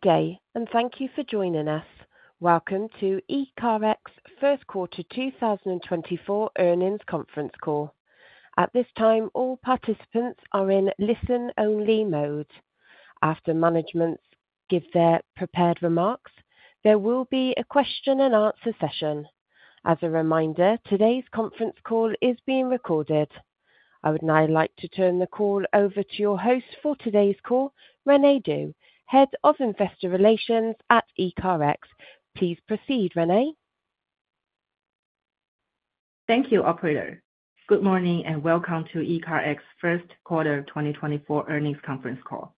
Good day, and thank you for joining us. Welcome to ECARX first quarter 2024 earnings conference call. At this time, all participants are in listen-only mode. After management give their prepared remarks, there will be a question and answer session. As a reminder, today's conference call is being recorded. I would now like to turn the call over to your host for today's call, Rene Du, Head of Investor Relations at ECARX. Please proceed, Renee. Thank you, operator. Good morning, and welcome to ECARX first quarter 2024 earnings conference call.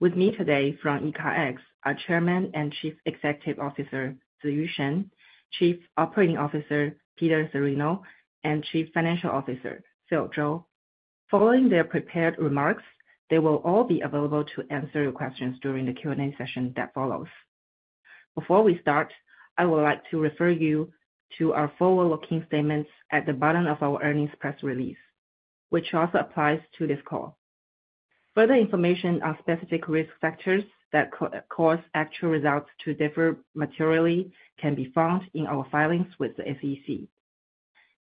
With me today from ECARX are Chairman and Chief Executive Officer, Ziyu Shen, Chief Operating Officer, Peter Cirino, and Chief Financial Officer, Phil Zhou. Following their prepared remarks, they will all be available to answer your questions during the Q&A session that follows. Before we start, I would like to refer you to our forward-looking statements at the bottom of our earnings press release, which also applies to this call. Further information on specific risk factors that could cause actual results to differ materially, can be found in our filings with the SEC.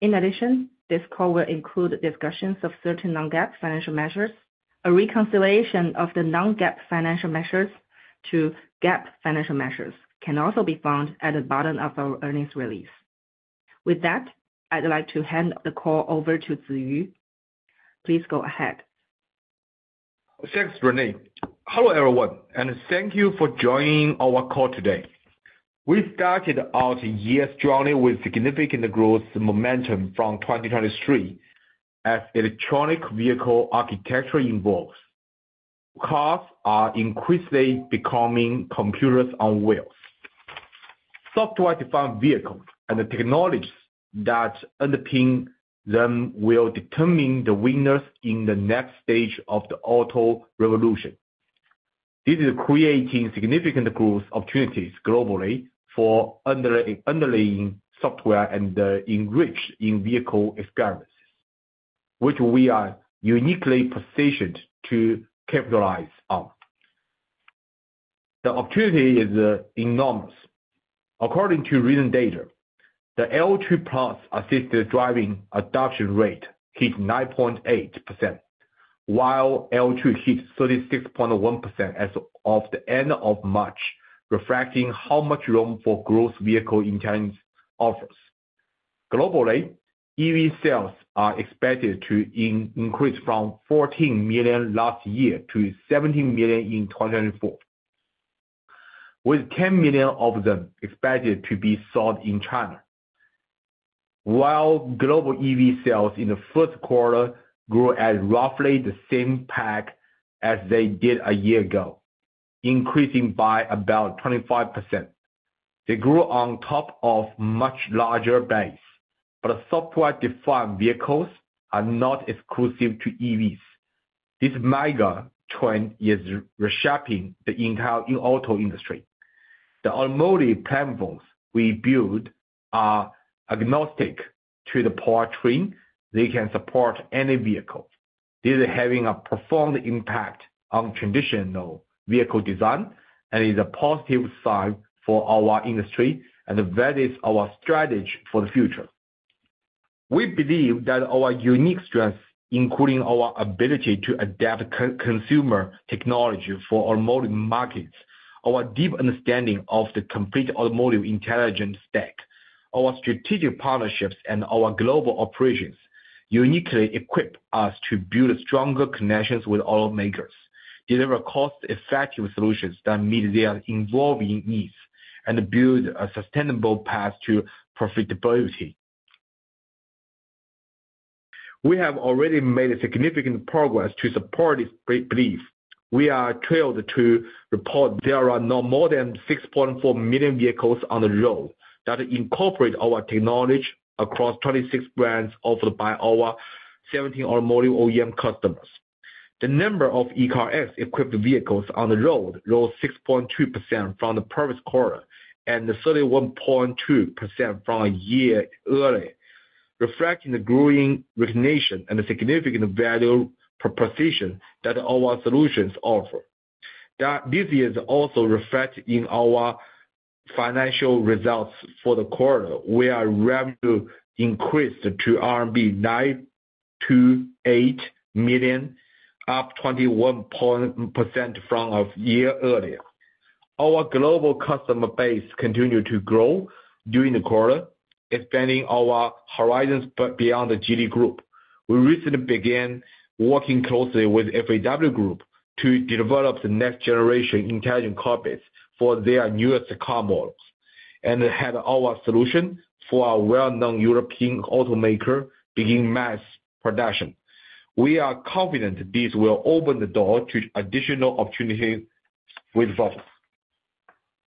In addition, this call will include discussions of certain non-GAAP financial measures. A reconciliation of the non-GAAP financial measures to GAAP financial measures can also be found at the bottom of our earnings release. With that, I'd like to hand the call over to Ziyu. Please go ahead. Thanks, Renee. Hello, everyone, and thank you for joining our call today. We started out the year strongly with significant growth momentum from 2023. As electric vehicle architecture evolves, cars are increasingly becoming computers on wheels. Software-defined vehicles and the technologies that underpin them will determine the winners in the next stage of the auto revolution. This is creating significant growth opportunities globally for underlying software and enriching in-vehicle experiences, which we are uniquely positioned to capitalize on. The opportunity is enormous. According to recent data, the L2+ assisted driving adoption rate hit 9.8%, while L2 hit 36.1% as of the end of March, reflecting how much room for growth vehicle intelligence offers. Globally, EV sales are expected to increase from 14 million last year to 17 million in 2024, with 10 million of them expected to be sold in China. While global EV sales in the first quarter grew at roughly the same pace as they did a year ago, increasing by about 25%, they grew on top of much larger base. But software-defined vehicles are not exclusive to EVs. This mega trend is reshaping the entire auto industry. The automotive platforms we build are agnostic to the powertrain. They can support any vehicle. This is having a profound impact on traditional vehicle design, and is a positive sign for our industry, and that is our strategy for the future. We believe that our unique strengths, including our ability to adapt consumer technology for automotive markets, our deep understanding of the complete automotive intelligence stack, our strategic partnerships, and our global operations, uniquely equip us to build stronger connections with automakers, deliver cost-effective solutions that meet their evolving needs, and build a sustainable path to profitability. We have already made significant progress to support this belief. We are thrilled to report there are now more than 6.4 million vehicles on the road that incorporate our technology across 26 brands offered by our 17 automotive OEM customers. The number of ECARX-equipped vehicles on the road rose 6.2% from the previous quarter, and 31.2% from a year earlier, reflecting the growing recognition and the significant value proposition that our solutions offer. This is also reflected in our financial results for the quarter, where our revenue increased to RMB 928 million, up 21.1% from a year earlier. Our global customer base continued to grow during the quarter, expanding our horizons beyond the Geely Group. We recently began working closely with FAW Group to develop the next generation intelligent cockpits for their newest car models, and had our solution for a well-known European automaker begin mass production. We are confident this will open the door to additional opportunities with us.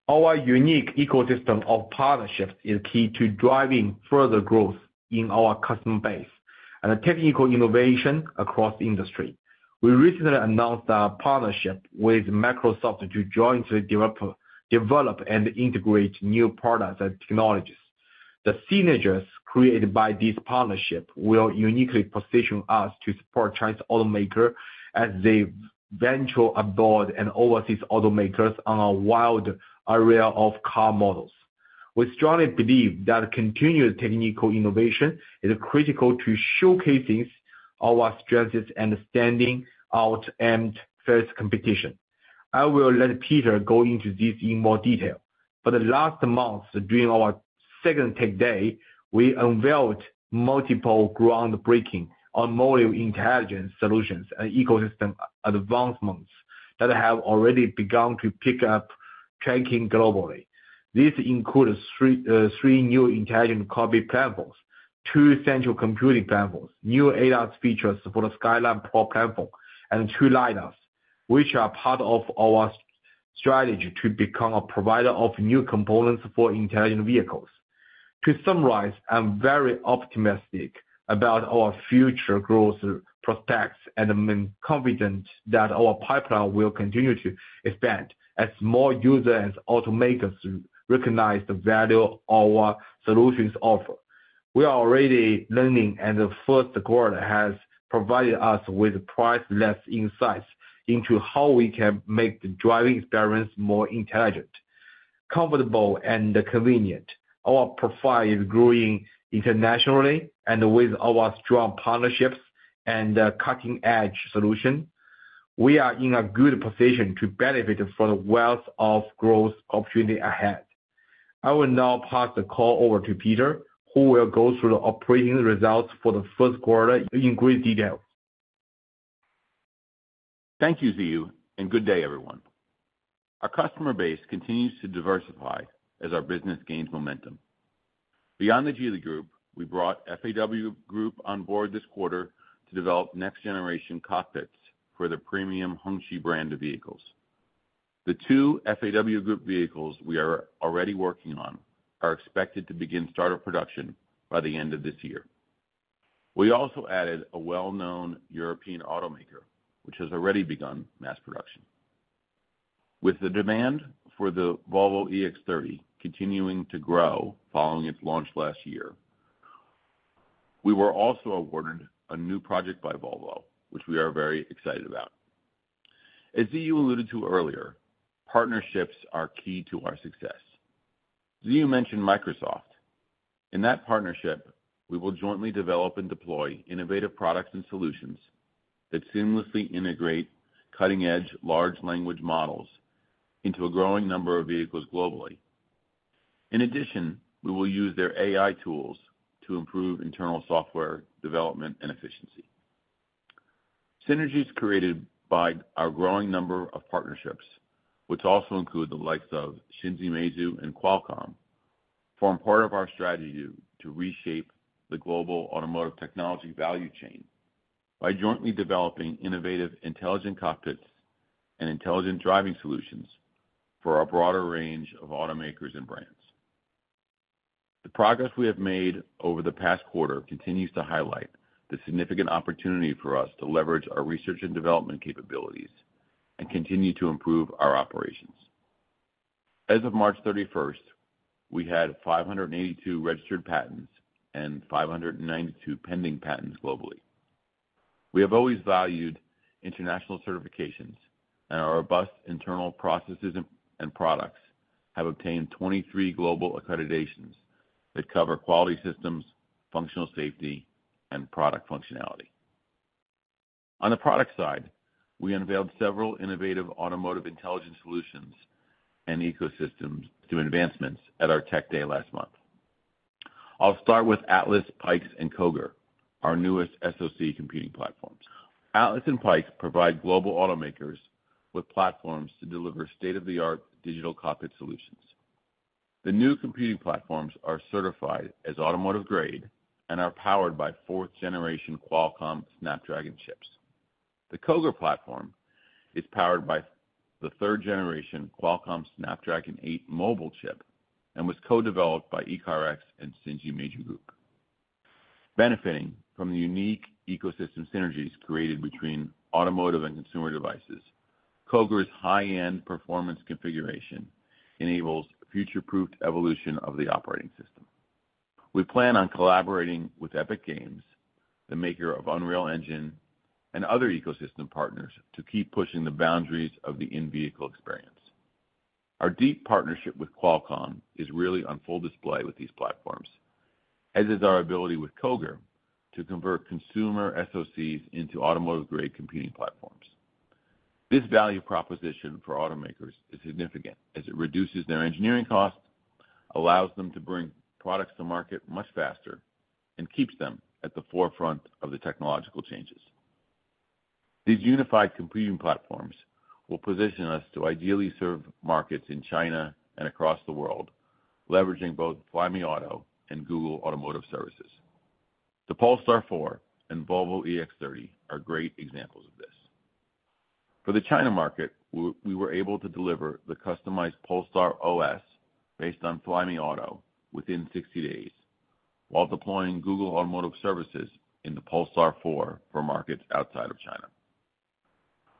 Our unique ecosystem of partnerships is key to driving further growth in our customer base and technical innovation across the industry. We recently announced a partnership with Microsoft to jointly develop and integrate new products and technologies.... The synergies created by this partnership will uniquely position us to support Chinese automakers as they venture abroad and overseas automakers on a wide array of car models. We strongly believe that continued technical innovation is critical to showcasing our strategies and standing out in fierce competition. I will let Peter go into this in more detail, but last month, during our second tech day, we unveiled multiple groundbreaking on-module intelligence solutions and ecosystem advancements that have already begun to pick up traction globally. This includes three new intelligent cockpit platforms, two central computing platforms, new ADAS features for the Skyland Pro platform, and two LiDARs, which are part of our strategy to become a provider of new components for intelligent vehicles. To summarize, I'm very optimistic about our future growth prospects and I'm confident that our pipeline will continue to expand as more users and automakers recognize the value our solutions offer. We are already learning, and the first quarter has provided us with priceless insights into how we can make the driving experience more intelligent, comfortable, and convenient. Our profile is growing internationally, and with our strong partnerships and cutting-edge solution, we are in a good position to benefit from the wealth of growth opportunity ahead. I will now pass the call over to Peter, who will go through the operating results for the first quarter in great detail. Thank you, Ziyu, and good day, everyone. Our customer base continues to diversify as our business gains momentum. Beyond the Geely Group, we brought FAW Group on board this quarter to develop next-generation cockpits for the premium Hongqi brand of vehicles. The two FAW Group vehicles we are already working on are expected to begin start of production by the end of this year. We also added a well-known European automaker, which has already begun mass production. With the demand for the Volvo EX30 continuing to grow following its launch last year, we were also awarded a new project by Volvo, which we are very excited about. As Ziyu alluded to earlier, partnerships are key to our success. Ziyu mentioned Microsoft. In that partnership, we will jointly develop and deploy innovative products and solutions that seamlessly integrate cutting-edge large language models into a growing number of vehicles globally. In addition, we will use their AI tools to improve internal software development and efficiency. Synergies created by our growing number of partnerships, which also include the likes of Xingji Meizu and Qualcomm, form part of our strategy to reshape the global automotive technology value chain by jointly developing innovative, intelligent cockpits and intelligent driving solutions for a broader range of automakers and brands. The progress we have made over the past quarter continues to highlight the significant opportunity for us to leverage our research and development capabilities and continue to improve our operations. As of March 31, we had 582 registered patents and 592 pending patents globally. We have always valued international certifications, and our robust internal processes and products have obtained 23 global accreditations that cover quality systems, functional safety, and product functionality. On the product side, we unveiled several innovative automotive intelligence solutions and ecosystems through advancements at our Tech Day last month. I'll start with Atlas, Pikes, and Qogir, our newest SoC computing platforms. Atlas and Pikes provide global automakers with platforms to deliver state-of-the-art digital cockpit solutions. The new computing platforms are certified as automotive-grade and are powered by fourth-generation Qualcomm Snapdragon chips. The Qogir platform is powered by the third-generation Qualcomm Snapdragon eight mobile chip and was co-developed by ECARX and Xingji Meizu Group. Benefiting from the unique ecosystem synergies created between automotive and consumer devices, Qogir's high-end performance configuration enables future-proofed evolution of the operating system. We plan on collaborating with Epic Games, the maker of Unreal Engine, and other ecosystem partners, to keep pushing the boundaries of the in-vehicle experience. Our deep partnership with Qualcomm is really on full display with these platforms, as is our ability with Qogir to convert consumer SoCs into automotive-grade computing platforms. This value proposition for automakers is significant, as it reduces their engineering costs, allows them to bring products to market much faster, and keeps them at the forefront of the technological changes. These unified computing platforms will position us to ideally serve markets in China and across the world, leveraging both Flyme Auto and Google Automotive Services. The Polestar 4 and Volvo EX30 are great examples of this. For the China market, we were able to deliver the customized Polestar OS, based on Flyme Auto, within 60 days, while deploying Google Automotive Services in the Polestar 4 for markets outside of China....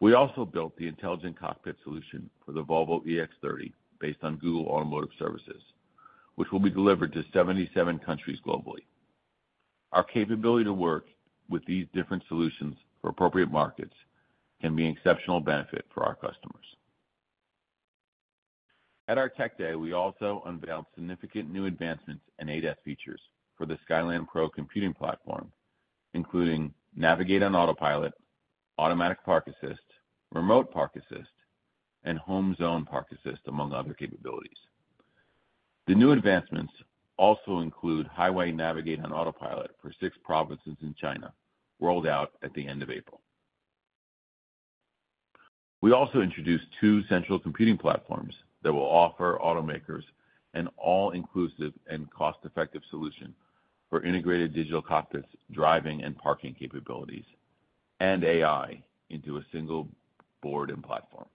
We also built the intelligent cockpit solution for the Volvo EX30, based on Google Automotive Services, which will be delivered to 77 countries globally. Our capability to work with these different solutions for appropriate markets can be an exceptional benefit for our customers. At our Tech Day, we also unveiled significant new advancements and ADAS features for the Skyland Pro computing platform, including Navigate on Autopilot, Automatic Park Assist, Remote Park Assist, and Home Zone Park Assist, among other capabilities. The new advancements also include Highway Navigate on Autopilot for six provinces in China, rolled out at the end of April. We also introduced two central computing platforms that will offer automakers an all-inclusive and cost-effective solution for integrated digital cockpits, driving and parking capabilities, and AI into a single board and platform.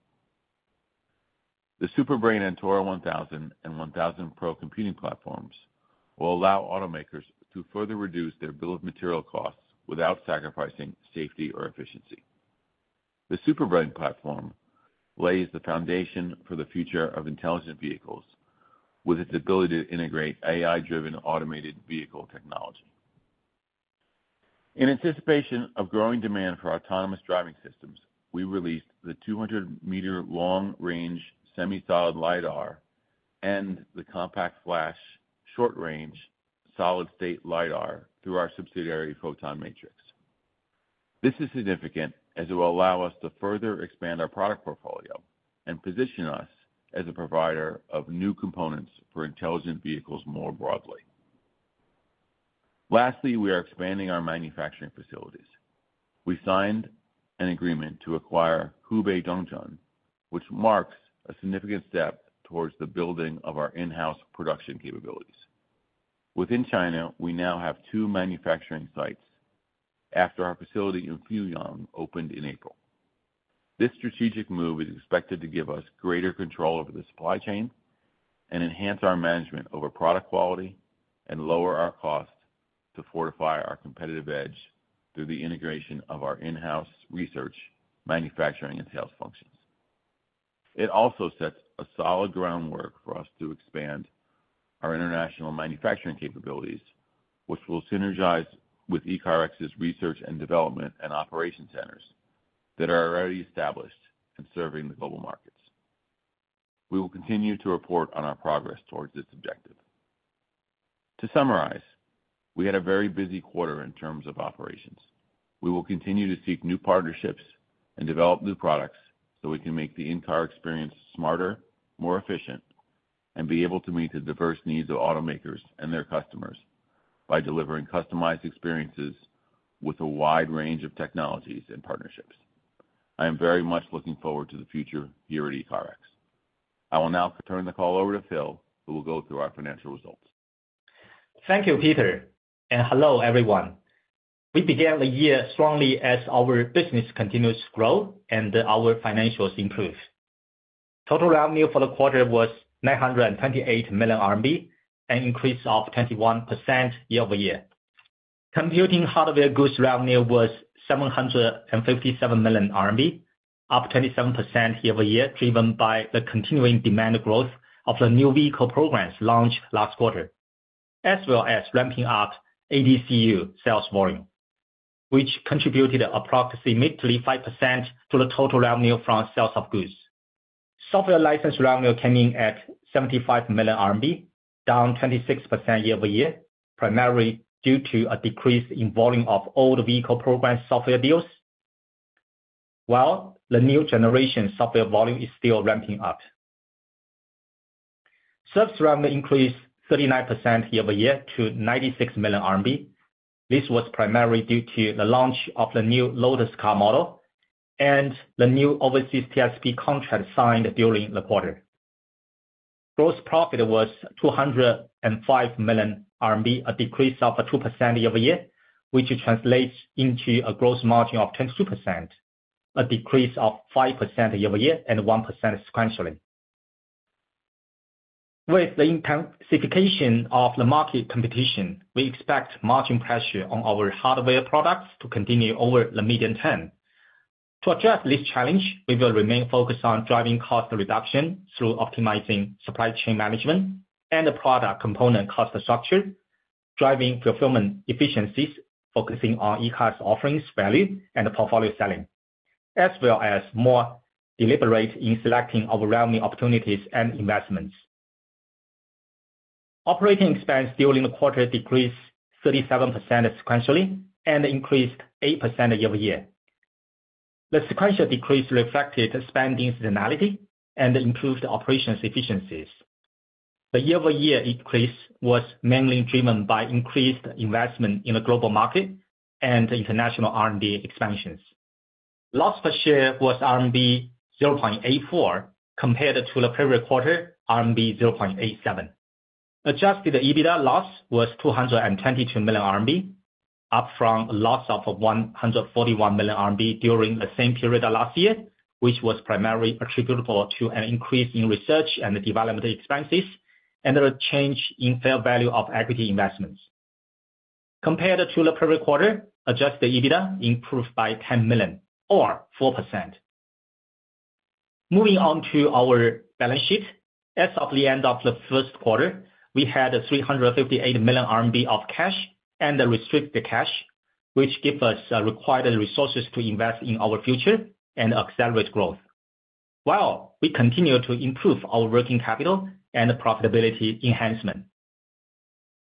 The Super Brain Antora 1000 and Antora 1000 Pro computing platforms will allow automakers to further reduce their bill of material costs without sacrificing safety or efficiency. The Super Brain platform lays the foundation for the future of intelligent vehicles, with its ability to integrate AI-driven automated vehicle technology. In anticipation of growing demand for autonomous driving systems, we released the 200-meter long-range semi-solid LiDAR and the compact flash short-range solid-state LiDAR through our subsidiary, Photon-Matrix. This is significant as it will allow us to further expand our product portfolio and position us as a provider of new components for intelligent vehicles more broadly. Lastly, we are expanding our manufacturing facilities. We signed an agreement to acquire Hubei Dongjun, which marks a significant step towards the building of our in-house production capabilities. Within China, we now have two manufacturing sites after our facility in Fuyang opened in April. This strategic move is expected to give us greater control over the supply chain and enhance our management over product quality and lower our cost to fortify our competitive edge through the integration of our in-house research, manufacturing, and sales functions. It also sets a solid groundwork for us to expand our international manufacturing capabilities, which will synergize with ECARX's research and development and operation centers that are already established and serving the global markets. We will continue to report on our progress towards this objective. To summarize, we had a very busy quarter in terms of operations. We will continue to seek new partnerships and develop new products, so we can make the in-car experience smarter, more efficient, and be able to meet the diverse needs of automakers and their customers by delivering customized experiences with a wide range of technologies and partnerships. I am very much looking forward to the future here at ECARX. I will now turn the call over to Phil, who will go through our financial results. Thank you, Peter, and hello, everyone. We began the year strongly as our business continues to grow and our financials improve. Total revenue for the quarter was 928 million RMB, an increase of 21% year-over-year. Computing hardware goods revenue was 757 million RMB, up 27% year-over-year, driven by the continuing demand growth of the new vehicle programs launched last quarter, as well as ramping up ADCU sales volume, which contributed approximately 5% to the total revenue from sales of goods. Software license revenue came in at 75 million RMB, down 26% year-over-year, primarily due to a decrease in volume of old vehicle program software deals, while the new generation software volume is still ramping up. Service revenue increased 39% year-over-year to 96 million RMB. This was primarily due to the launch of the new Lotus car model and the new overseas TSP contract signed during the quarter. Gross profit was 205 million RMB, a decrease of 2% year-over-year, which translates into a gross margin of 22%, a decrease of 5% year-over-year, and 1% sequentially. With the intensification of the market competition, we expect margin pressure on our hardware products to continue over the medium term. To address this challenge, we will remain focused on driving cost reduction through optimizing supply chain management and the product component cost structure, driving fulfillment efficiencies, focusing on ECARX's offerings, value, and portfolio selling, as well as more deliberate in selecting overwhelming opportunities and investments. Operating expense during the quarter decreased 37% sequentially and increased 8% year-over-year. The sequential decrease reflected spending seasonality and improved operations efficiencies. The year-over-year increase was mainly driven by increased investment in the global market and international R&D expansions. Loss per share was RMB 0.84, compared to the previous quarter, RMB 0.87. Adjusted EBITDA loss was 222 million RMB, up from a loss of 141 million RMB during the same period last year, which was primarily attributable to an increase in research and development expenses, and a change in fair value of equity investments. Compared to the previous quarter, adjusted EBITDA improved by 10 million or 4%. Moving on to our balance sheet. As of the end of the first quarter, we had 358 million RMB of cash and the restricted cash, which give us required resources to invest in our future and accelerate growth, while we continue to improve our working capital and profitability enhancement.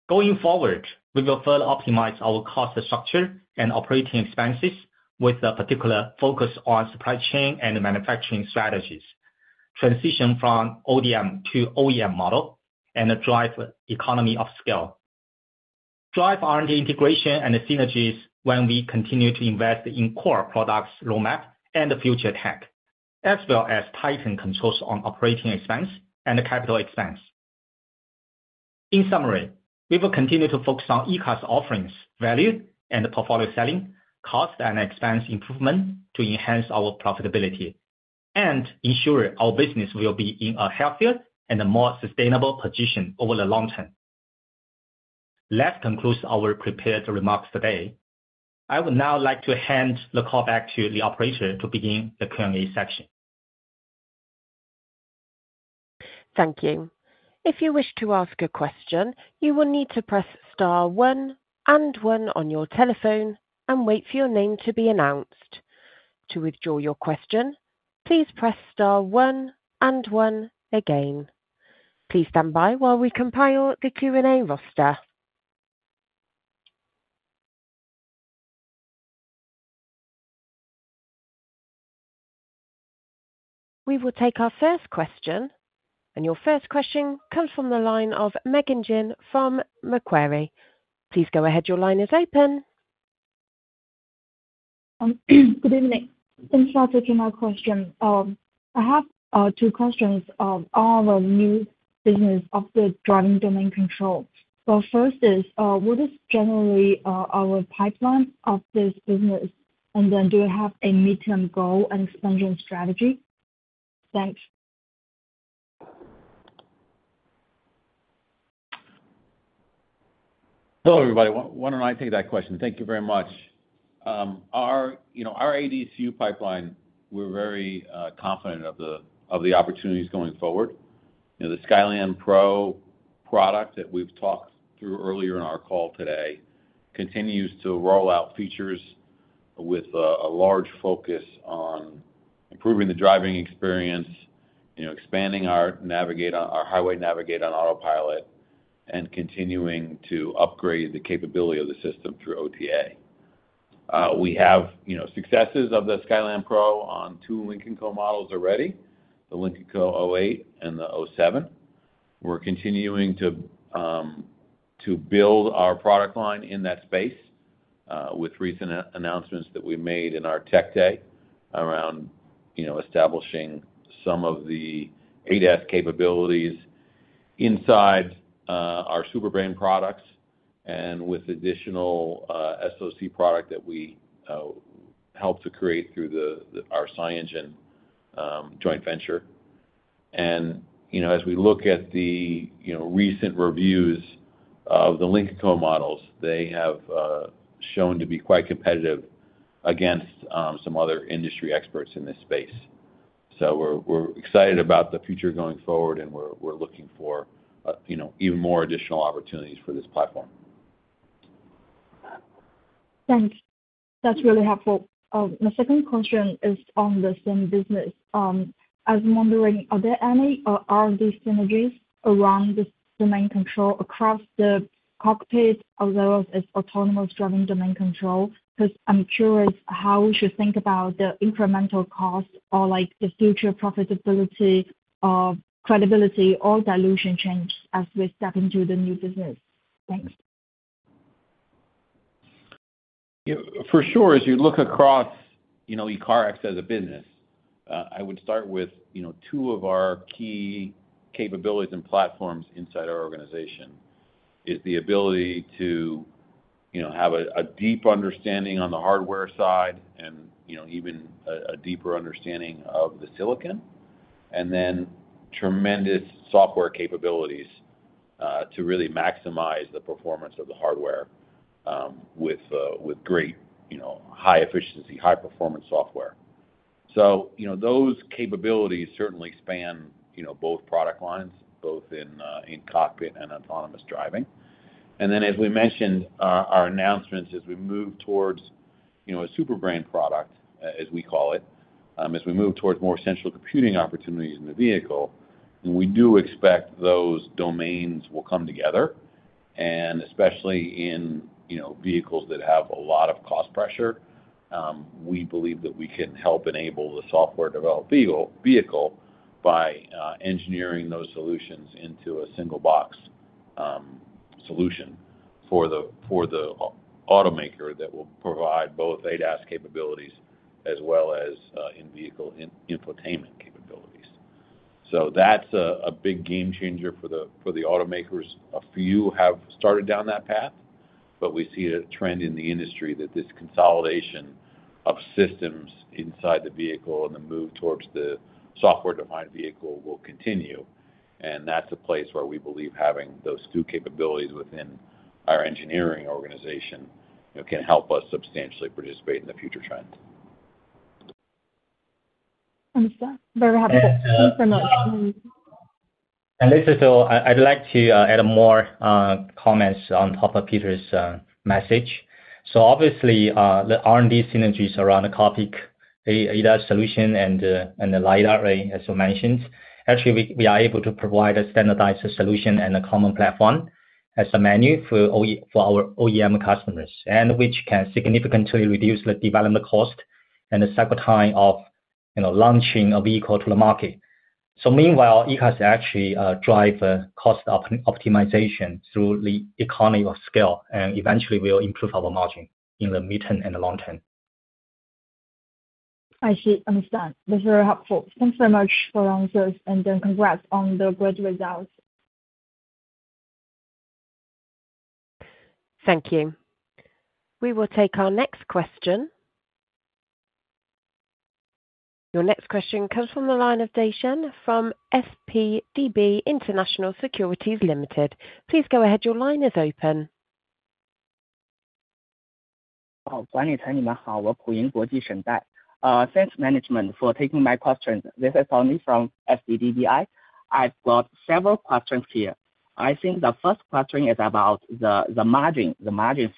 Going forward, we will further optimize our cost structure and operating expenses with a particular focus on supply chain and manufacturing strategies, transition from ODM to OEM model, and drive economy of scale. Drive R&D integration and the synergies when we continue to invest in core products roadmap and the future tech, as well as tighten controls on operating expense and capital expense. In summary, we will continue to focus on ECARX's offerings, value, and portfolio selling, cost and expense improvement to enhance our profitability, and ensure our business will be in a healthier and a more sustainable position over the long term. That concludes our prepared remarks today. I would now like to hand the call back to the operator to begin the Q&A section. Thank you. If you wish to ask a question, you will need to press star one and one on your telephone and wait for your name to be announced. To withdraw your question, please press star one and one again. Please stand by while we compile the Q&A roster. We will take our first question, and your first question comes from the line of Megan Jin from Macquarie. Please go ahead. Your line is open. Good evening. Thanks for taking my question. I have two questions of all the new business of the driving domain control. So first is, what is generally, our pipeline of this business? And then do you have a midterm goal and expansion strategy? Thanks. Hello, everybody. Why, why don't I take that question? Thank you very much. Our, you know, our ADCU pipeline, we're very confident of the, of the opportunities going forward. You know, the Skyland Pro product that we've talked through earlier in our call today continues to roll out features with a large focus on improving the driving experience, you know, expanding our navigate on—our highway Navigate on Autopilot, and continuing to upgrade the capability of the system through OTA. We have, you know, successes of the Skyland Pro on two Lynk & Co models already, the Lynk & Co 08 and the Lynk & Co 07. We're continuing to build our product line in that space, with recent announcements that we made in our Tech Day around, you know, establishing some of the ADAS capabilities inside our Super Brain products and with additional SoC product that we helped to create through our SiEngine joint venture. And, you know, as we look at the, you know, recent reviews of the Lynk & Co models, they have shown to be quite competitive against some other industry experts in this space. So we're excited about the future going forward, and we're looking for, you know, even more additional opportunities for this platform. Thanks. That's really helpful. My second question is on the same business. I was wondering, are there any or are these synergies around this domain control across the cockpit as well as autonomous driving domain control? Because I'm curious how we should think about the incremental cost or, like, the future profitability of credibility or dilution change as we step into the new business. Thanks. Yeah, for sure, as you look across, you know, ECARX as a business, I would start with, you know, two of our key capabilities and platforms inside our organization, is the ability to, you know, have a deep understanding on the hardware side and, you know, even a deeper understanding of the silicon, and then tremendous software capabilities, to really maximize the performance of the hardware, with great, you know, high efficiency, high-performance software. So, you know, those capabilities certainly span, you know, both product lines, both in cockpit and autonomous driving. Then, as we mentioned, our announcements as we move towards, you know, a Super Brain product, as we call it, as we move towards more central computing opportunities in the vehicle, and we do expect those domains will come together, and especially in, you know, vehicles that have a lot of cost pressure, we believe that we can help enable the software-defined vehicle by engineering those solutions into a single box solution for the automaker that will provide both ADAS capabilities as well as in-vehicle infotainment capabilities. So that's a big game changer for the automakers. A few have started down that path, but we see a trend in the industry that this consolidation of systems inside the vehicle and the move towards the software-defined vehicle will continue. That's a place where we believe having those two capabilities within our engineering organization, you know, can help us substantially participate in the future trends. Understand. Very happy to help. Thank you so much. This is Phil. I'd like to add more comments on top of Peter's message. So obviously, the R&D synergies around the topic, the ADAS solution and the LiDAR, as you mentioned, actually, we are able to provide a standardized solution and a common platform as a menu for our OEM customers, and which can significantly reduce the development cost and the cycle time of, you know, launching a vehicle to the market. So meanwhile, ECARX actually drive cost optimization through the economy of scale, and eventually will improve our margin in the midterm and the long term. I see. Understand. That's very helpful. Thanks so much for answers, and then congrats on the great results. Thank you. We will take our next question. Your next question comes from the line of Tony Dai from SPDB International Securities Limited. Please go ahead. Your line is open. Thanks, management, for taking my questions. This is Tony from SPDB International. I've got several questions here. I think the first question is about the margin, the margins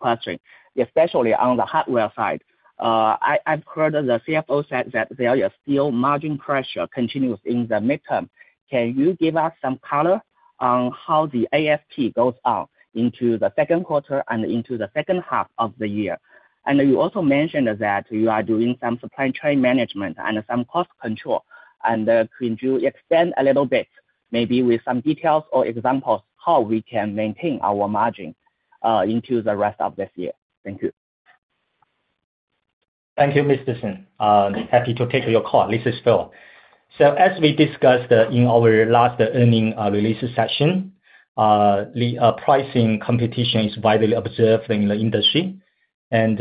question, especially on the hardware side. I've heard the CFO said that there are still margin pressure continues in the midterm. Can you give us some color on how the ASP goes out into the second quarter and into the second half of the year? And you also mentioned that you are doing some supply chain management and some cost control. And could you expand a little bit, maybe with some details or examples, how we can maintain our margin into the rest of this year? Thank you. Thank you, Mr. Shen. Happy to take your call. This is Phil. So as we discussed, in our last earnings release session, the pricing competition is widely observed in the industry. And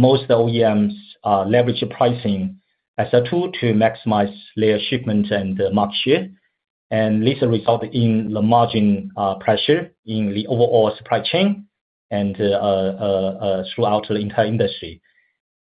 most OEMs leverage pricing as a tool to maximize their shipment and market share, and this result in the margin pressure in the overall supply chain and throughout the entire industry.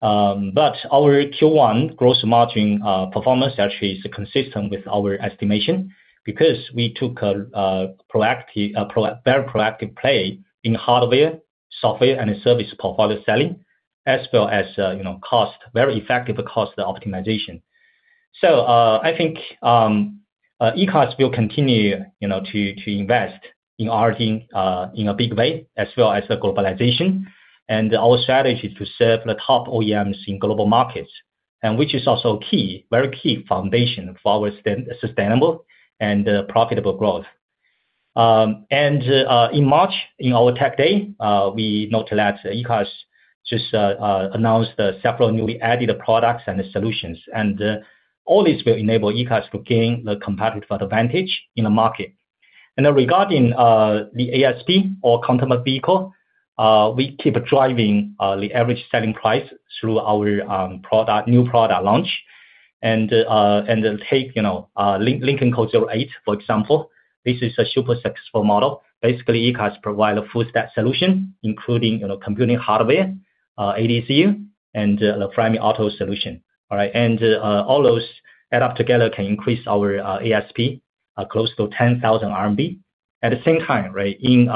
But our Q1 gross margin performance actually is consistent with our estimation because we took a very proactive play in hardware, software, and service portfolio selling, as well as, you know, cost, very effective cost optimization. So I think ECARX will continue, you know, to invest in R&D in a big way, as well as the globalization. Our strategy is to serve the top OEMs in global markets, and which is also key, very key foundation for our sustainable and profitable growth. In March, in our Tech Day, we note that ECARX just announced several newly added products and solutions. All this will enable ECARX to gain the competitive advantage in the market. Then regarding the ASP per customer vehicle, we keep driving the average selling price through our product, new product launch. Take, you know, Lynk & Co 08, for example. This is a super successful model. Basically, ECARX provides a full stack solution, including, you know, computing hardware, ADCU, and the Flyme Auto solution. Alright? All those add up together can increase our ASP close to 10,000 RMB. At the same time, right, in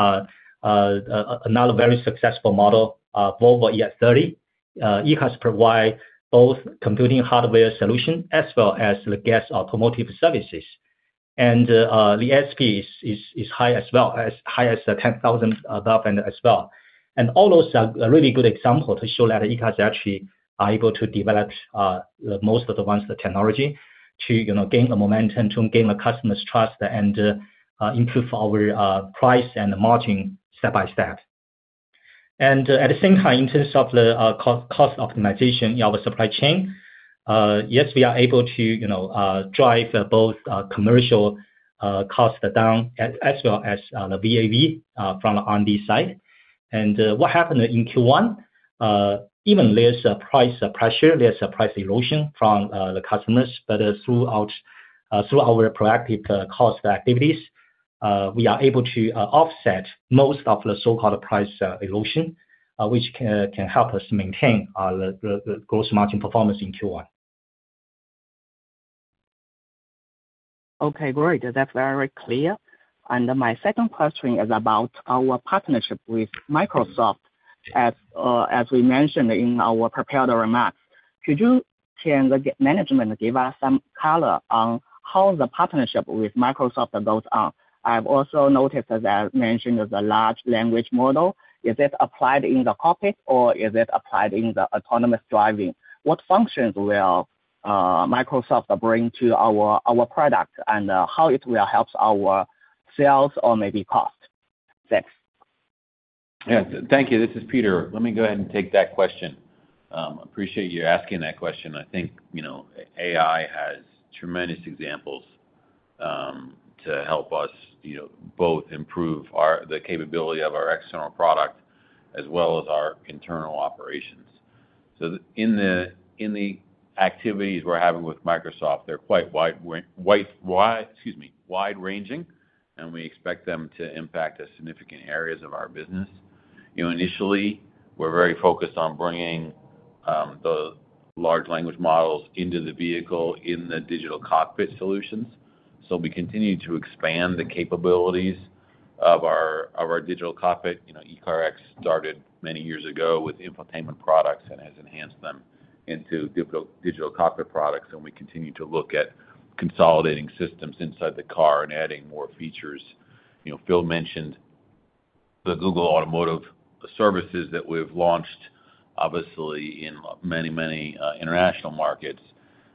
another very successful model, Volvo EX30, ECARX provide both computing hardware solution as well as the Google Automotive Services. And the ASP is high as well, as high as $10,000 as well. And all those are a really good example to show that ECARX actually are able to develop most of the ones, the technology, to you know, gain the momentum, to gain the customers' trust, and improve our price and margin step by step. At the same time, in terms of the cost optimization in our supply chain, yes, we are able to, you know, drive both commercial costs down as well as the VA/VE from the R&D side. And what happened in Q1, even there's a price pressure, there's a price erosion from the customers. But through our proactive cost activities, we are able to offset most of the so-called price erosion, which can help us maintain the gross margin performance in Q1. Okay, great. That's very clear. And my second question is about our partnership with Microsoft. As we mentioned in our prepared remarks, could management give us some color on how the partnership with Microsoft goes on? I've also noticed, as I mentioned, the large language model. Is it applied in the cockpit, or is it applied in the autonomous driving? What functions will Microsoft bring to our, our product, and how it will helps our sales or maybe cost? Thanks. Yes. Thank you. This is Peter. Let me go ahead and take that question. Appreciate you asking that question. I think, you know, AI has tremendous examples to help us, you know, both improve our, the capability of our external product as well as our internal operations. So the, in the, in the activities we're having with Microsoft, they're quite wide, wide, excuse me, wide-ranging, and we expect them to impact the significant areas of our business. You know, initially, we're very focused on bringing the large language models into the vehicle in the digital cockpit solutions. So we continue to expand the capabilities of our, of our digital cockpit. You know, ECARX started many years ago with infotainment products and has enhanced them into digital, digital cockpit products, and we continue to look at consolidating systems inside the car and adding more features. You know, Phil mentioned the Google Automotive Services that we've launched, obviously, in many, many international markets,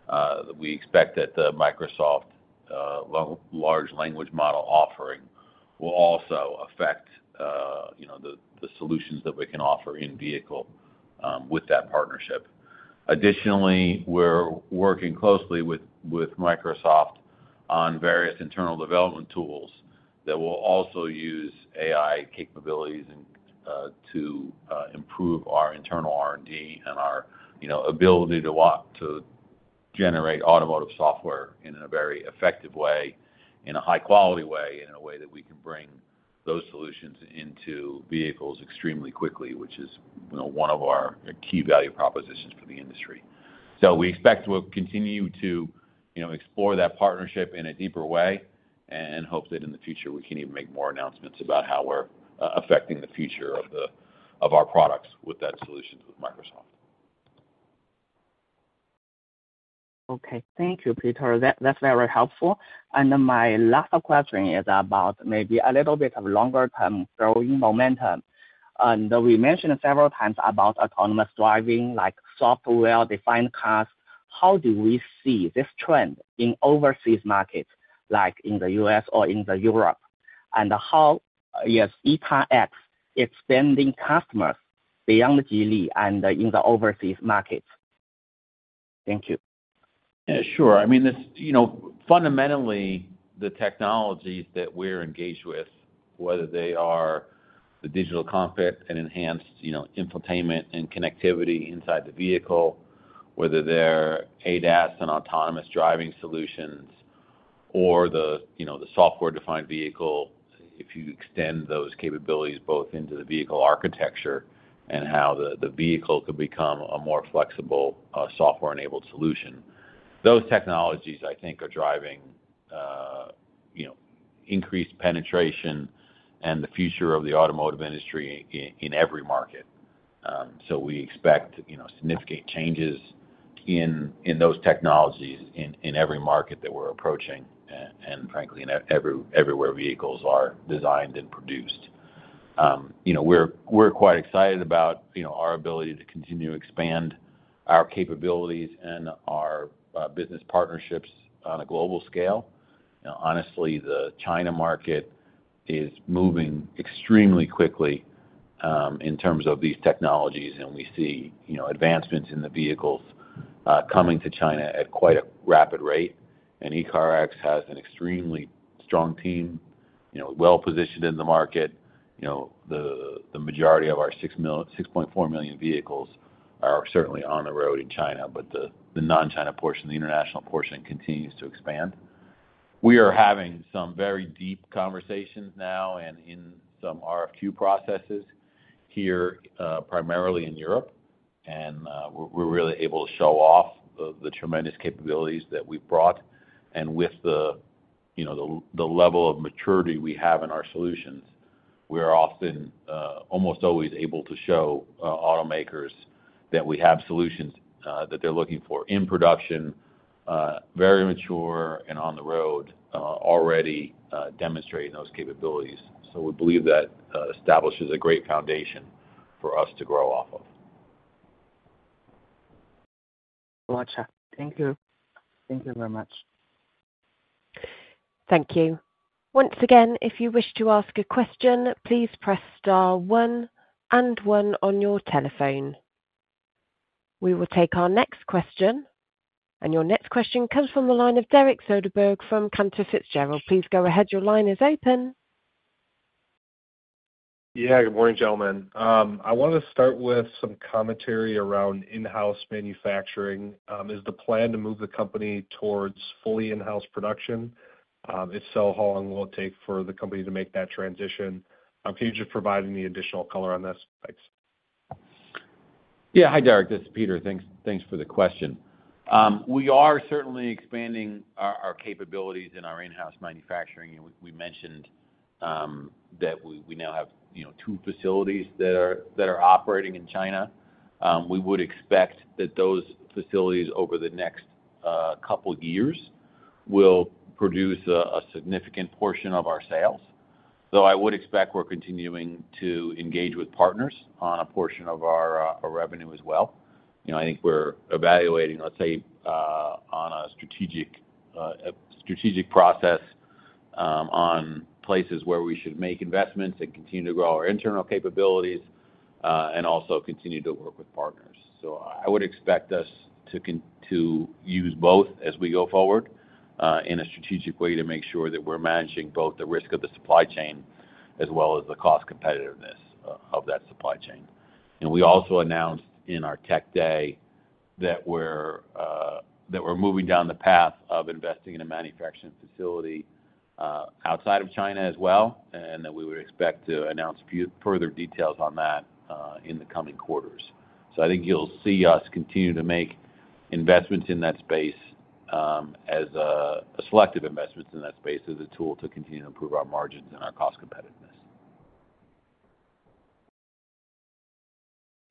that we expect that the Microsoft large language model offering will also affect, you know, the, the solutions that we can offer in vehicle with that partnership. Additionally, we're working closely with, with Microsoft on various internal development tools that will also use AI capabilities and to improve our internal R&D and our, you know, ability to generate automotive software in a very effective way, in a high-quality way, and in a way that we can bring those solutions into vehicles extremely quickly, which is, you know, one of our key value propositions for the industry. So we expect we'll continue to, you know, explore that partnership in a deeper way and hope that in the future, we can even make more announcements about how we're affecting the future of the, of our products with that solution with Microsoft. Okay. Thank you, Peter. That, that's very helpful. And then my last question is about maybe a little bit of longer-term growing momentum. And we mentioned several times about autonomous driving, like software-defined cars. How do we see this trend in overseas markets, like in the U.S. or in the Europe? And how is ECARX extending customers beyond Geely and in the overseas markets? Thank you. Yeah, sure. I mean, this, you know, fundamentally, the technologies that we're engaged with, whether they are the digital cockpit and enhanced, you know, infotainment and connectivity inside the vehicle, whether they're ADAS and autonomous driving solutions, or the, you know, the software-defined vehicle, if you extend those capabilities both into the vehicle architecture and how the, the vehicle could become a more flexible, software-enabled solution. Those technologies, I think, are driving, you know, increased penetration and the future of the automotive industry in, in every market. So we expect, you know, significant changes in, in those technologies in, in every market that we're approaching, and frankly, in everywhere vehicles are designed and produced. You know, we're quite excited about, you know, our ability to continue to expand our capabilities and our business partnerships on a global scale. You know, honestly, the China market is moving extremely quickly in terms of these technologies, and we see, you know, advancements in the vehicles coming to China at quite a rapid rate. And ECARX has an extremely strong team, you know, well-positioned in the market. You know, the majority of our 6.4 million vehicles are certainly on the road in China, but the non-China portion, the international portion, continues to expand. We are having some very deep conversations now and in some RFQ processes here, primarily in Europe, and we're really able to show off the tremendous capabilities that we've brought. With the, you know, the level of maturity we have in our solutions, we are often almost always able to show automakers that we have solutions that they're looking for in production, very mature and on the road already demonstrating those capabilities. So we believe that establishes a great foundation for us to grow off of. Gotcha. Thank you. Thank you very much. Thank you. Once again, if you wish to ask a question, please press star one and one on your telephone. We will take our next question, and your next question comes from the line of Derek Soderberg from Canaccord Genuity. Please go ahead. Your line is open. Yeah, good morning, gentlemen. I wanna start with some commentary around in-house manufacturing. Is the plan to move the company towards fully in-house production? Can you just providing the additional color on that space? Yeah. Hi, Derek, this is Peter. Thanks, thanks for the question. We are certainly expanding our capabilities in our in-house manufacturing, and we mentioned that we now have, you know, two facilities that are operating in China. We would expect that those facilities, over the next couple years, will produce a significant portion of our sales, though I would expect we're continuing to engage with partners on a portion of our revenue as well. You know, I think we're evaluating, let's say, on a strategic process on places where we should make investments and continue to grow our internal capabilities, and also continue to work with partners. So I would expect us to use both as we go forward. in a strategic way to make sure that we're managing both the risk of the supply chain as well as the cost competitiveness of that supply chain. And we also announced in our Tech Day that we're moving down the path of investing in a manufacturing facility outside of China as well, and that we would expect to announce further details on that in the coming quarters. So I think you'll see us continue to make investments in that space as selective investments in that space, as a tool to continue to improve our margins and our cost competitiveness.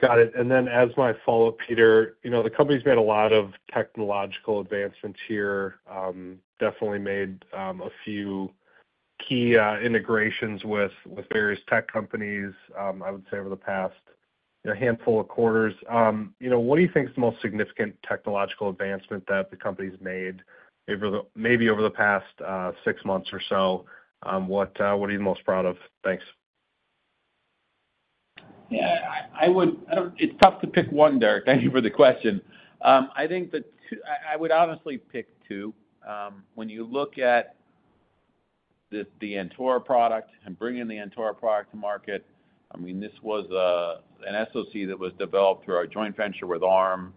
Got it. And then as my follow-up, Peter, you know, the company's made a lot of technological advancements here. Definitely made a few key integrations with various tech companies, I would say over the past, you know, handful of quarters. You know, what do you think is the most significant technological advancement that the company's made over the—maybe over the past 6 months or so? What are you most proud of? Thanks. Yeah, I would. I don't. It's tough to pick one, Derek. Thank you for the question. I think the two. I would honestly pick two. When you look at the Antora product, and bringing the Antora product to market, I mean, this was an SoC that was developed through our joint venture with Arm.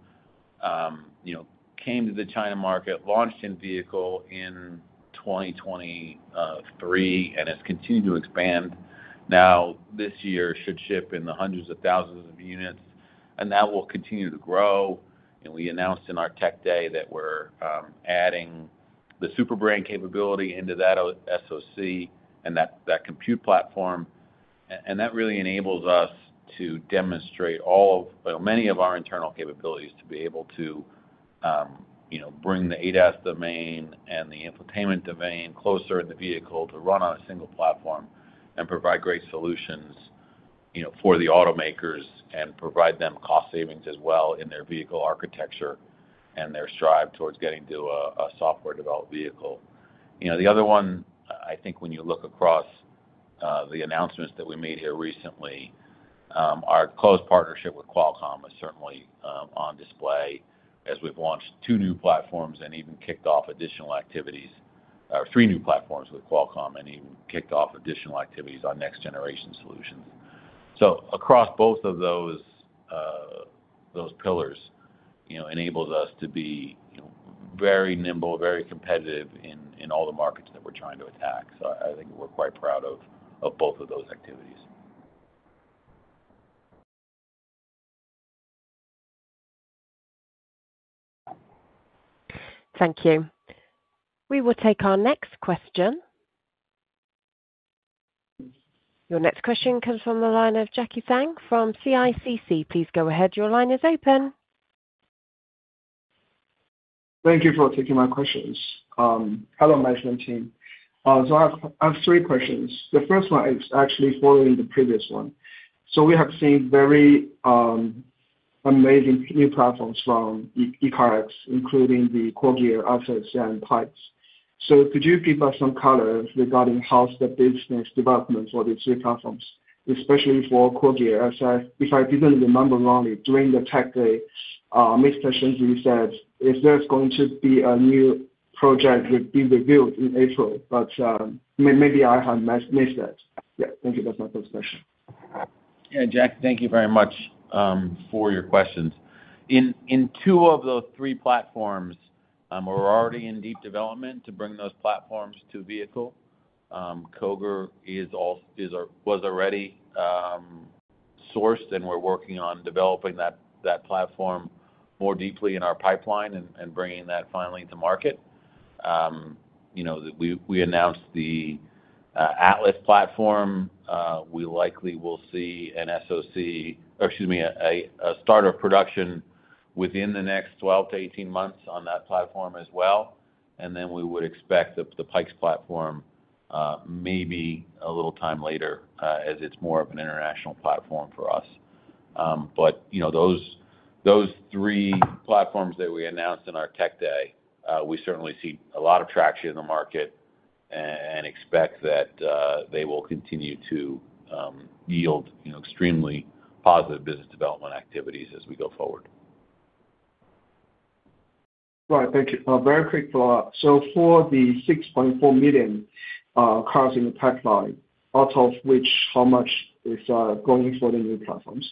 You know, came to the China market, launched in vehicle in 2023, and has continued to expand. Now, this year, should ship in the hundreds of thousands of units, and that will continue to grow. And we announced in our Tech Day that we're adding the Super Brain capability into that SoC and that compute platform. and that really enables us to demonstrate all of, well, many of our internal capabilities to be able to, you know, bring the ADAS domain and the infotainment domain closer in the vehicle to run on a single platform and provide great solutions, you know, for the automakers, and provide them cost savings as well in their vehicle architecture and their drive towards getting to a, a software-defined vehicle. You know, the other one, I think when you look across, the announcements that we made here recently, our close partnership with Qualcomm is certainly, on display as we've launched two new platforms and even kicked off additional activities, or three new platforms with Qualcomm, and even kicked off additional activities on next-generation solutions. So across both of those pillars, you know, enables us to be, you know, very nimble, very competitive in all the markets that we're trying to attack. So I think we're quite proud of both of those activities. Thank you. We will take our next question. Your next question comes from the line of Jackie Tang from CICC. Please go ahead. Your line is open. Thank you for taking my questions. Hello, management team. So I have, I have three questions. The first one is actually following the previous one. So we have seen very, amazing new platforms from ECARX, including the Qogir, Atlas, and Pikes. So could you give us some color regarding how's the business development for these three platforms, especially for Qogir? As if I didn't remember wrongly, during the Tech Day, Mr. Ziyu Shen said, "If there's going to be a new project, it would be revealed in April." But, maybe I have missed that. Yeah, thank you. That's my first question. Yeah, Jack, thank you very much for your questions. In two of those three platforms, we're already in deep development to bring those platforms to vehicle. Qogir is also already sourced, and we're working on developing that platform more deeply in our pipeline and bringing that finally to market. You know, we announced the Atlas platform. We likely will see an SoC, or excuse me, a start of production within the next 12-18 months on that platform as well. And then we would expect the Pikes platform, maybe a little time later, as it's more of an international platform for us. But, you know, those three platforms that we announced in our Tech Day. We certainly see a lot of traction in the market, and expect that they will continue to yield, you know, extremely positive business development activities as we go forward. Right. Thank you. Very quick follow-up. So for the 6.4 million cars in the pipeline, out of which, how much is going for the new platforms?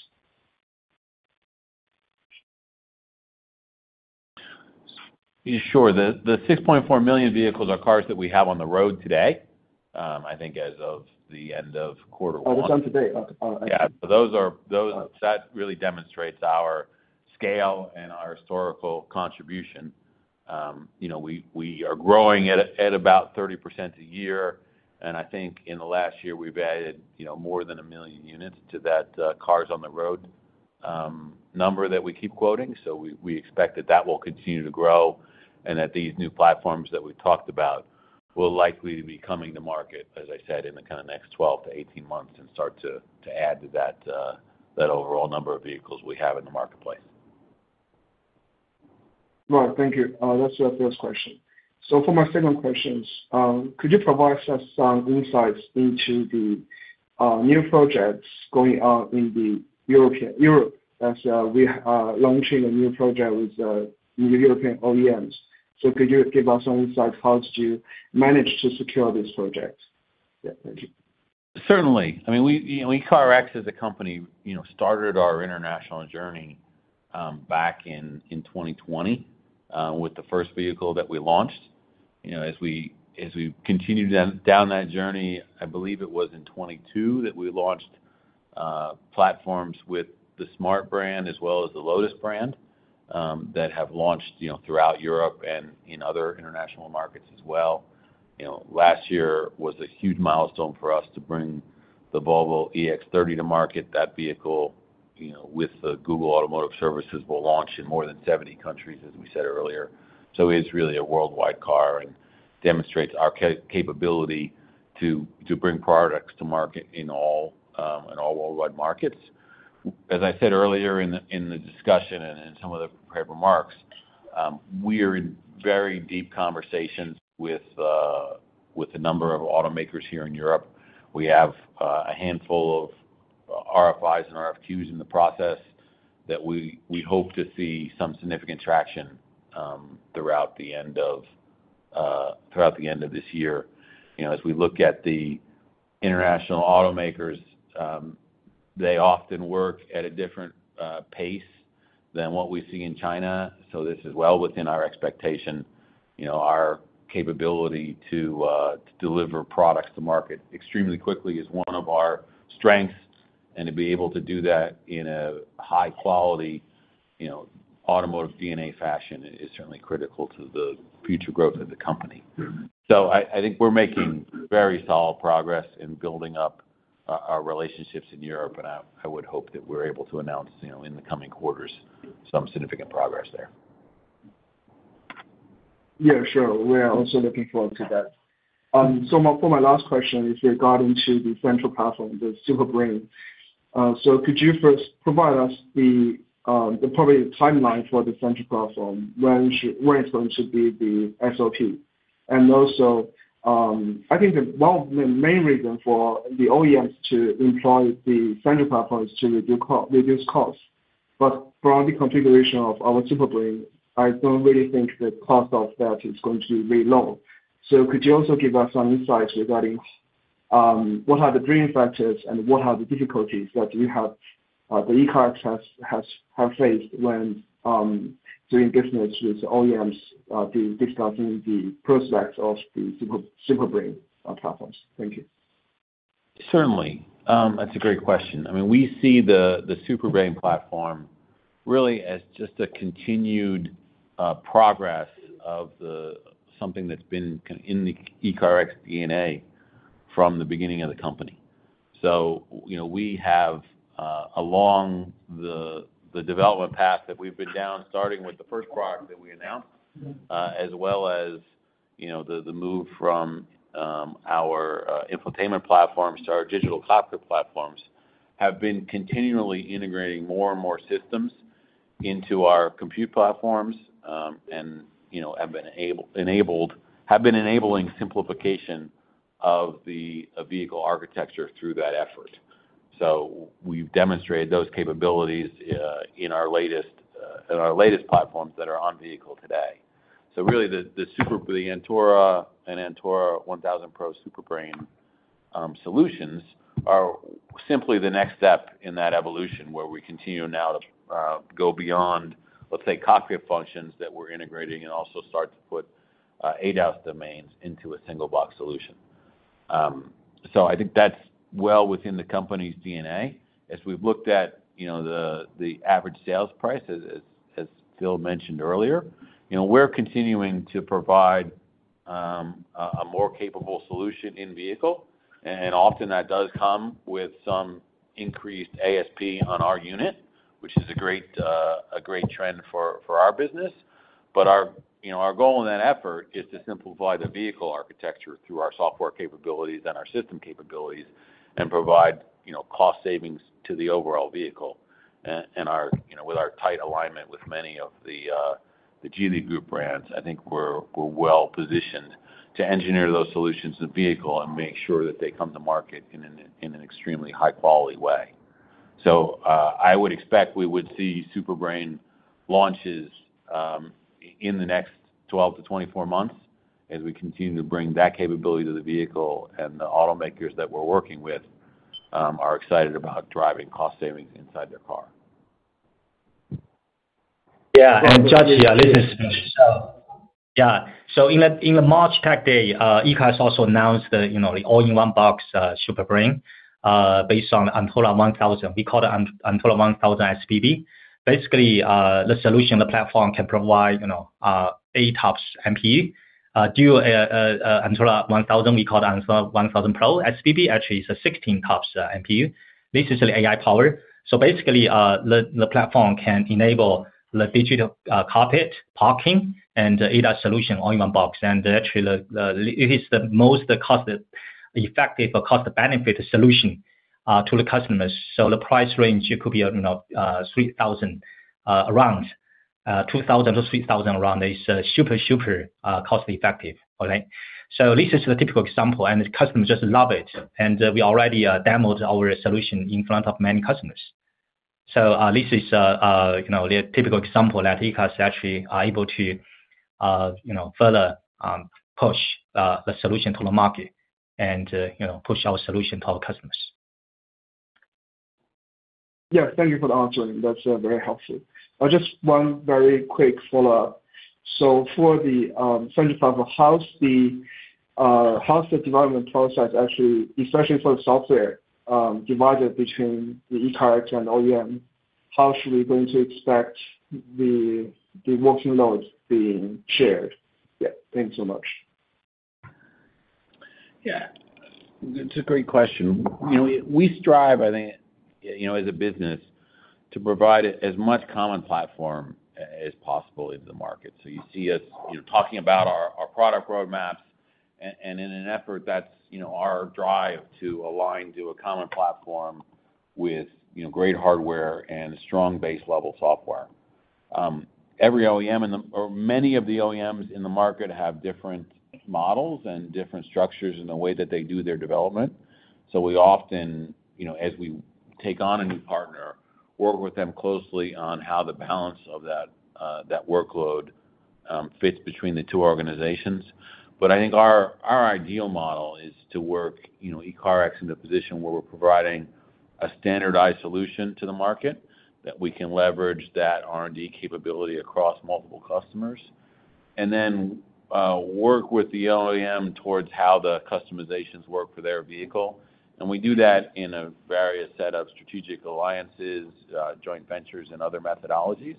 Sure. The 6.4 million vehicles are cars that we have on the road today, I think as of the end of quarter one. Oh, as of today. Okay. Yeah. Those are. That really demonstrates our scale and our historical contribution. You know, we are growing at about 30% a year, and I think in the last year, we've added, you know, more than 1 million units to that cars on the road number that we keep quoting. So we expect that that will continue to grow, and that these new platforms that we've talked about will likely be coming to market, as I said, in the kind of next 12-18 months and start to add to that overall number of vehicles we have in the marketplace. Right. Thank you. That's the first question. So for my second questions, could you provide us some insights into the new projects going on in Europe, as we are launching a new project with new European OEMs. So could you give us some insight, how did you manage to secure these projects? Yeah, thank you. Certainly. I mean, we, you know, we, ECARX as a company, you know, started our international journey, back in, in 2020, with the first vehicle that we launched. You know, as we, as we continued down, down that journey, I believe it was in 2022 that we launched, platforms with the smart brand as well as the Lotus brand, that have launched, you know, throughout Europe and in other international markets as well. You know, last year was a huge milestone for us to bring the Volvo EX30 to market. That vehicle, you know, with the Google Automotive Services, will launch in more than 70 countries, as we said earlier. So it's really a worldwide car and demonstrates our ca- capability to, to bring products to market in all, in all worldwide markets. As I said earlier in the discussion and in some of the prepared remarks, we are in very deep conversations with a number of automakers here in Europe. We have a handful of RFIs and RFQs in the process that we hope to see some significant traction throughout the end of this year. You know, as we look at the international automakers, they often work at a different pace than what we see in China, so this is well within our expectation. You know, our capability to deliver products to market extremely quickly is one of our strengths, and to be able to do that in a high quality, you know, automotive DNA fashion is certainly critical to the future growth of the company. So I think we're making very solid progress in building up our relationships in Europe, and I would hope that we're able to announce, you know, in the coming quarters, some significant progress there. Yeah, sure. We're also looking forward to that. So for my last question is regarding to the central platform, the SuperBrain. So could you first provide us probably the timeline for the central platform, when it's going to be the SOP? And also, I think that one of the main reasons for the OEMs to employ the central platform is to reduce costs. But from the configuration of our SuperBrain, I don't really think the cost of that is going to be low. So could you also give us some insights regarding what are the driving factors and what are the difficulties that ECARX has faced when doing business with OEMs, discussing the prospects of the SuperBrain platforms? Thank you. Certainly. That's a great question. I mean, we see the Super Brain platform really as just a continued progress of the something that's been in the ECARX DNA from the beginning of the company. So, you know, we have along the development path that we've been down, starting with the first product that we announced, as well as, you know, the move from our infotainment platforms to our digital cockpit platforms, have been continually integrating more and more systems into our compute platforms, and, you know, have been enabling simplification of the vehicle architecture through that effort. So we've demonstrated those capabilities in our latest platforms that are on vehicle today. So really, the Antora 1000 and Antora 1000 Pro Super Brain solutions are simply the next step in that evolution, where we continue now to go beyond, let's say, cockpit functions that we're integrating and also start to put ADAS domains into a single-box solution. So I think that's well within the company's DNA. As we've looked at, you know, the average sales price, as Phil mentioned earlier, you know, we're continuing to provide a more capable solution in vehicle, and often that does come with some increased ASP on our unit, which is a great trend for our business. But our, you know, our goal in that effort is to simplify the vehicle architecture through our software capabilities and our system capabilities and provide, you know, cost savings to the overall vehicle. Our tight alignment with many of the Geely Group brands, you know, I think we're well positioned to engineer those solutions to the vehicle and make sure that they come to market in an extremely high-quality way. So, I would expect we would see Super Brain launches in the next 12-24 months as we continue to bring that capability to the vehicle, and the automakers that we're working with are excited about driving cost savings inside their car. Yeah, and Jack, yeah, let him speak. Yeah. So in the March tech day, ECARX has also announced the, you know, the all-in-one box, Super Brain, based on Antora 1000. We call it Antora 1000 SPB. Basically, the solution, the platform can provide, you know, Antora 1000, we call it Antora 1000 Pro. SPB actually is a 16 TOPS MPU. This is an AI power. So basically, the platform can enable the digital cockpit parking and ADAS solution, all-in-one box, and actually, it is the most cost-effective, but cost-benefit solution to the customers. So the price range, it could be, you know, $3,000 around $2,000-$3,000 around is super, super cost effective. All right? So this is the typical example, and the customers just love it. We already demoed our solution in front of many customers. This is, you know, the typical example that ECARX is actually able to, you know, further push the solution to the market and, you know, push our solution to our customers. Yeah, thank you for the answering. That's, very helpful. Just one very quick follow-up. So for the, how's the, how's the development process, actually, especially for the software, divided between the ECARX and OEM, how should we going to expect the, the working loads being shared? Yeah, thanks so much. Yeah, it's a great question. You know, we strive, I think, you know, as a business, to provide as much common platform as possible in the market. So you see us, you know, talking about our product roadmaps and in an effort that's, you know, our drive to align to a common platform with, you know, great hardware and strong base-level software. Every OEM in the, or many of the OEMs in the market have different models and different structures in the way that they do their development. So we often, you know, as we take on a new partner, work with them closely on how the balance of that workload fits between the two organizations. But I think our ideal model is to work, you know, ECARX in a position where we're providing a standardized solution to the market, that we can leverage that R&D capability across multiple customers, and then work with the OEM towards how the customizations work for their vehicle. And we do that in a various set of strategic alliances, joint ventures and other methodologies.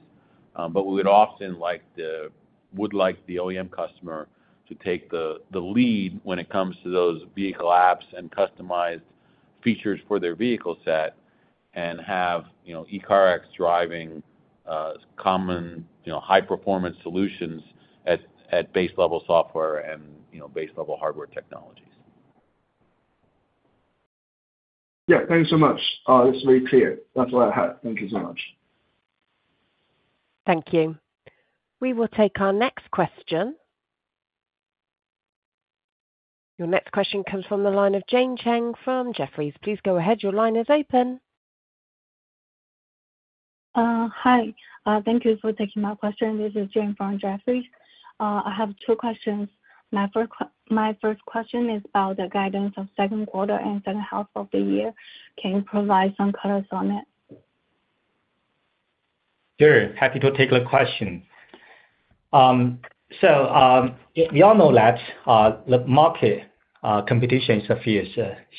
But we would often like the OEM customer to take the lead when it comes to those vehicle apps and customized features for their vehicle set, and have, you know, ECARX driving common, you know, high-performance solutions at base level software and base level hardware technologies. Yeah, thank you so much. It's very clear. That's all I have. Thank you so much. Thank you. We will take our next question. Your next question comes from the line of Jane Chang from Jefferies. Please go ahead. Your line is open. Hi. Thank you for taking my question. This is Jane from Jefferies. I have two questions. My first question is about the guidance of second quarter and second half of the year. Can you provide some colors on it? Sure, happy to take the question. So, we all know that the market competition is fierce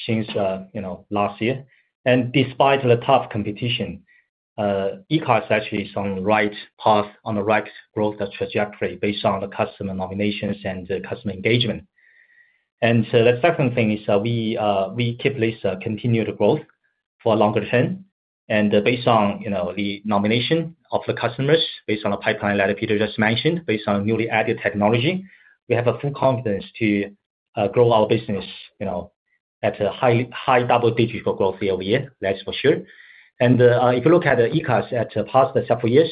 since, you know, last year. And despite the tough competition, ECARX actually is on the right path, on the right growth trajectory based on the customer nominations and customer engagement. And so the second thing is, we keep this continued growth for longer term. And based on, you know, the nomination of the customers, based on a pipeline that Peter just mentioned, based on newly added technology, we have a full confidence to grow our business, you know, at a high, high double-digit for growth year over year. That's for sure. And if you look at the ECARX at the past several years,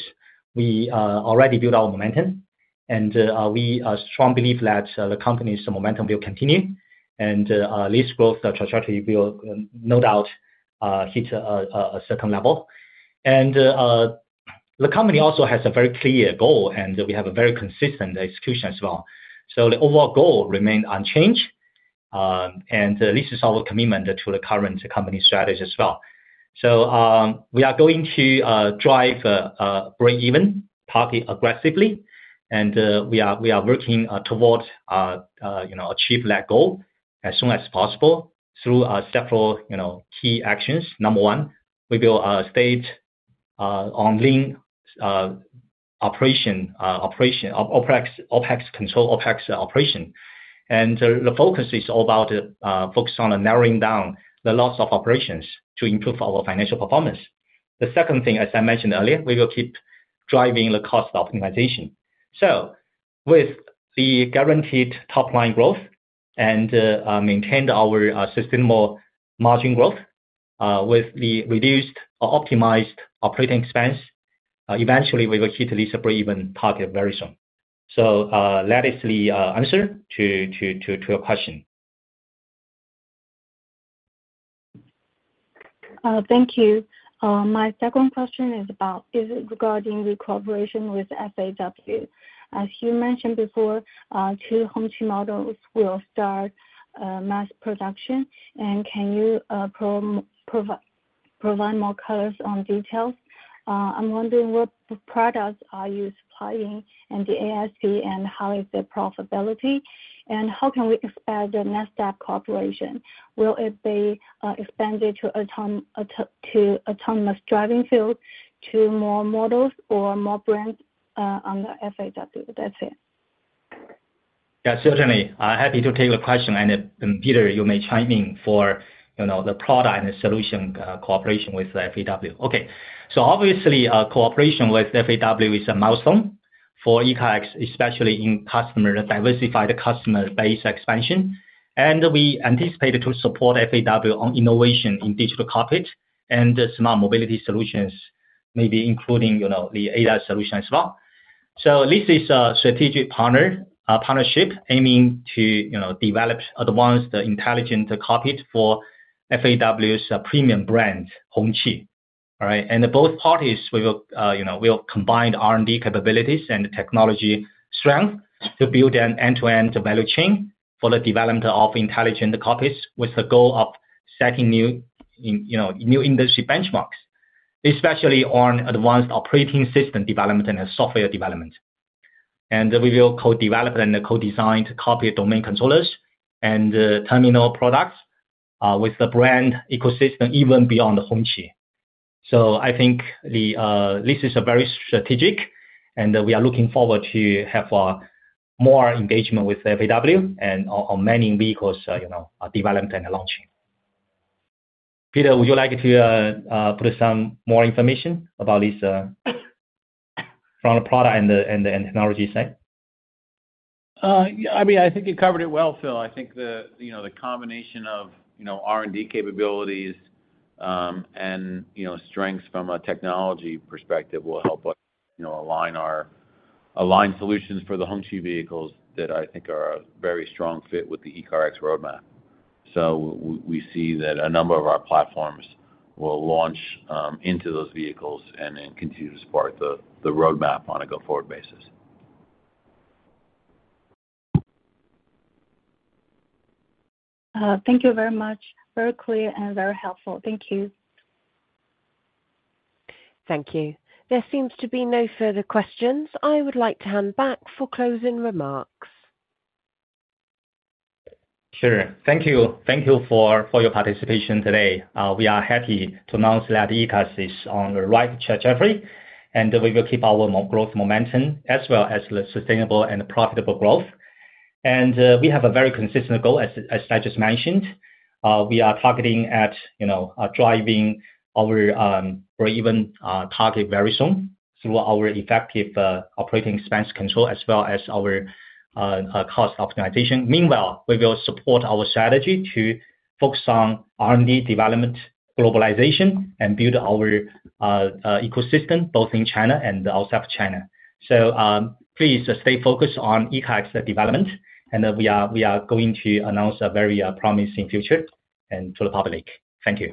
we already built our momentum. We are strong belief that the company's momentum will continue, and this growth trajectory will no doubt hit a certain level. The company also has a very clear goal, and we have a very consistent execution as well. So the overall goal remain unchanged, and this is our commitment to the current company strategy as well. So, we are going to drive breakeven target aggressively, and we are working towards, you know, achieve that goal as soon as possible through several, you know, key actions. Number 1, we will stay on lean operation, OpEx control, OpEx operation. The focus is all about narrowing down the loss of operations to improve our financial performance. The second thing, as I mentioned earlier, we will keep driving the cost optimization. So with the guaranteed top-line growth and maintain our sustainable margin growth with the reduced or optimized operating expense, eventually we will hit this breakeven target very soon. So, that is the answer to your question. Thank you. My second question is regarding the cooperation with FAW. As you mentioned before, two Hongqi models will start mass production. Can you provide more colors on details? I'm wondering what products are you supplying in the ASP, and how is the profitability? How can we expect the next step cooperation? Will it be expanded to autonomous driving field, to more models or more brands, on the FAW? That's it. Yeah, certainly. Happy to take the question, and, and Peter, you may chime in for, you know, the product and solution cooperation with FAW. Okay. So obviously, our cooperation with FAW is a milestone for ECARX, especially in customer diversified customer base expansion. And we anticipate to support FAW on innovation in digital cockpit and smart mobility solutions, maybe including, you know, the ADAS solution as well. So this is a strategic partner partnership, aiming to, you know, develop advanced intelligent cockpit for FAW's premium brand, Hongqi. All right? And both parties we will, you know, will combine R&D capabilities and technology strength to build an end-to-end value chain for the development of intelligent cockpits, with the goal of setting new, you know, new industry benchmarks. Especially on advanced operating system development and software development. And we will co-develop and co-design cockpit domain controllers and terminal products with the brand ecosystem, even beyond Hongqi. So I think this is a very strategic, and we are looking forward to have more engagement with FAW and on many vehicles, you know, development and launching. Peter, would you like to put some more information about this from the product and the technology side? Yeah, I mean, I think you covered it well, Phil. I think the, you know, the combination of, you know, R&D capabilities, and, you know, strengths from a technology perspective will help us, you know, align solutions for the Hongqi vehicles that I think are a very strong fit with the ECARX roadmap. So we see that a number of our platforms will launch into those vehicles and then continue to support the roadmap on a go-forward basis. Thank you very much. Very clear and very helpful. Thank you. Thank you. There seems to be no further questions. I would like to hand back for closing remarks. Sure. Thank you. Thank you for your participation today. We are happy to announce that ECARX is on the right trajectory, and we will keep our growth momentum as well as the sustainable and profitable growth. We have a very consistent goal, as I just mentioned. We are targeting at, you know, driving our or even target very soon through our effective operating expense control, as well as our cost optimization. Meanwhile, we will support our strategy to focus on R&D development, globalization, and build our ecosystem, both in China and outside of China. Please stay focused on ECARX development, and we are going to announce a very promising future to the public. Thank you.